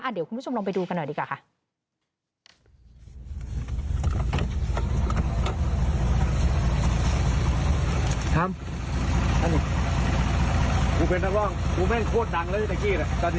เดี๋ยวคุณผู้ชมลองไปดูกันหน่อยดีกว่าค่ะ